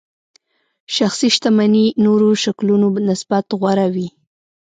شخصي شتمنۍ نورو شکلونو نسبت غوره وي.